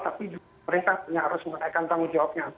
tapi juga perintah yang harus menaikkan tanggung jawabnya